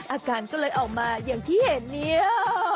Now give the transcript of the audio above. อาการก็เลยออกมาอย่างที่เห็นเนี่ย